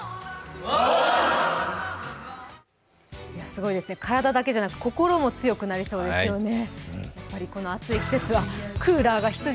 すごいですね、体だけじゃなく心も強くなりそうですね。